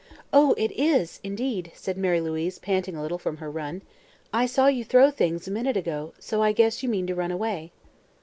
"Oh, it is, indeed," said Mary Louise, panting a little from her run. "I saw you throw things, a minute ago, so I guess you mean to run away."